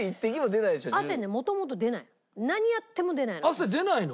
汗出ないの？